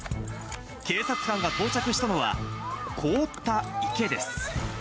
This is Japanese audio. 警察官が到着したのは、凍った池です。